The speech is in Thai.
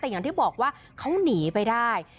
แต่อย่างที่บอกว่าเขาหนีไปได้